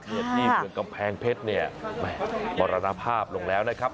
ที่เมืองกำแพงเพชรเนี่ยมรณภาพลงแล้วนะครับ